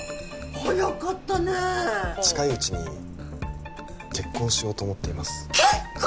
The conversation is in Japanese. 早かったねえ近いうちに結婚しようと思っています結婚！？